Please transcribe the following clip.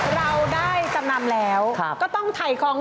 เริ่มหรูหลังการงานสร้าง